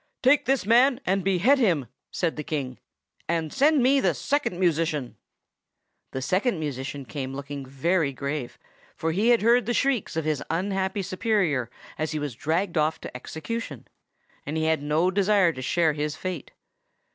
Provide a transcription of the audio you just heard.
"Take this man and behead him!" said the King. "And send me the Second Musician!" The Second Musician came, looking very grave, for he had heard the shrieks of his unhappy superior as he was dragged off to execution, and he had no desire to share his fate.